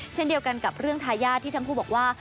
เช่นเดียวกันกับเรื่องทายาทที่ทั้งคู่บอกว่า